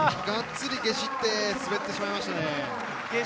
がっつりゲシって滑ってしまいました。